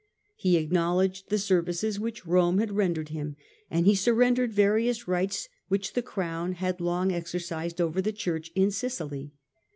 He acknowledged the services which Rome had rendered him, and he surrendered various rights which the Crown had long exercised over the Church in Sicily.